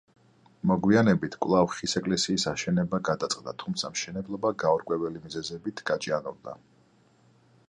მოგვიანებით კვლავ ხის ეკლესიის აშენება გადაწყდა, თუმცა მშენებლობა გაურკვეველი მიზეზებით გაჭიანურდა.